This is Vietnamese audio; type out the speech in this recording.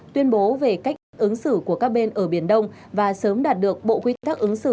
tuyên bố về cách ứng xử của các bên ở biển đông và sớm đạt được bộ quy tắc ứng xử